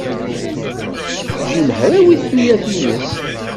Jim hrawit tuyat-nnes.